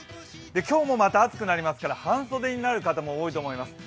今日もまた暑くなりますから半袖になる方も多いと思います。